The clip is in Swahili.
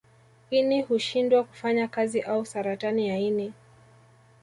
Ini hushindwa kufanya kazi au saratani ya ini